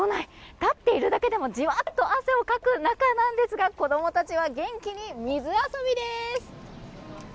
立っているだけでもじわっと汗をかく中なんですが子供たちは元気に水遊びです。